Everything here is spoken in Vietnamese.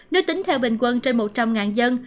đưa tính theo bình quân trên một trăm linh dân